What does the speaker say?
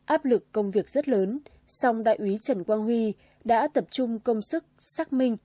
áp lực công việc rất lớn song đại úy trần quang huy đã tập trung công sức xác minh